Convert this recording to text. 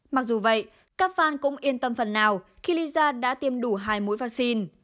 mặc dù vậy các fan cũng yên tâm phần nào khi lisa đã tiêm đủ hai mũi vaccine